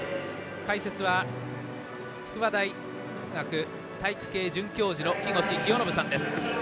解説は筑波大学体育系准教授の木越清信さんです。